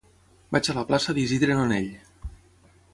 Vaig a la plaça d'Isidre Nonell.